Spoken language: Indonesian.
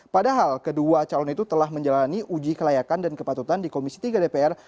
padahal kedua calon itu telah menjalani uji kelayakan dan kepatutan di komisi tiga dpr